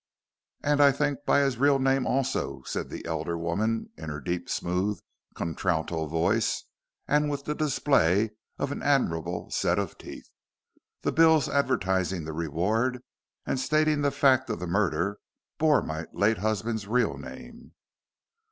"And I think by his real name also," said the elder woman in her deep, smooth contralto voice, and with the display of an admirable set of teeth. "The bills advertising the reward, and stating the fact of the murder, bore my late husband's real name."